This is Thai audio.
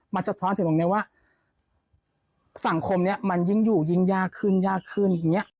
มันสะท้อนถึงตรงนี้ว่าสังคมนี้มันยิ่งอยู่ยิ่งยากขึ้นยากขึ้นอย่างนี้